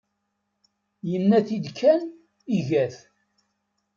Yenna-t-id kan, iga-t.